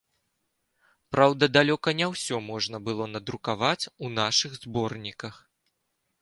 Праўда, далёка не ўсё можна было надрукаваць у нашых зборніках.